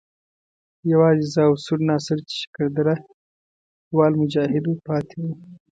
یوازې زه او سور ناصر چې شکر درده وال مجاهد وو پاتې وو.